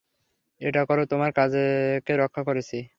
এটা করে তোমার কাজকে রক্ষা করেছি।